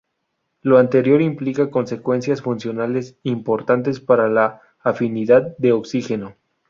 Lo anterior implica consecuencias funcionales importantes para la afinidad de oxígeno.